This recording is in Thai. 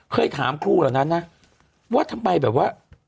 เคยถามครูเหรอนะว่าทำไมแบบว่า